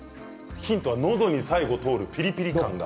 ヒントはのどに最後に通るピリピリ感が。